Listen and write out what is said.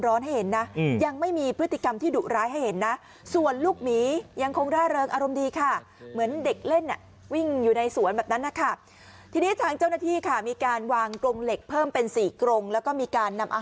แต่ยังไม่มีอารมณ์ร้อนให้เห็นนะยังพฤติกรรมที่ดุร้ายให้เห็นนะ